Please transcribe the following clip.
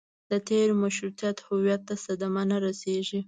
د تېر مشروطیت هویت ته صدمه نه رسېږي.